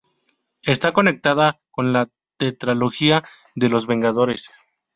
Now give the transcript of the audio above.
Está conectada con la tetralogía de "Los Vengadores".